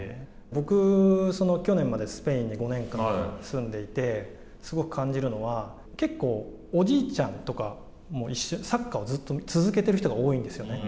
僕、去年までスペインで５年間住んでてすごく感じるのは、結構、おじいちゃんとかもサッカーを続けている人が多いんですよね。